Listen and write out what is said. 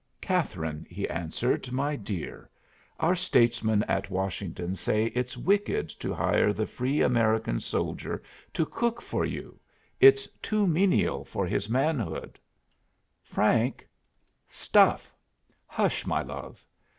"Catherine," he answered, "my dear, our statesmen at Washington say it's wicked to hire the free American soldier to cook for you. It's too menial for his manhood." "Frank, stuff!" "Hush, my love.